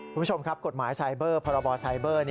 คุณผู้ชมครับกฎหมายไซเบอร์พรบไซเบอร์